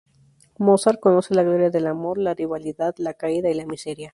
Mozart conoce la gloria del amor, la rivalidad, la caída y la miseria.